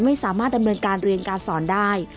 ไม่สามารถดำเนินการเรียนการสอนได้